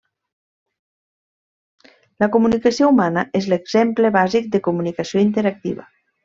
La comunicació humana és l'exemple bàsic de comunicació interactiva.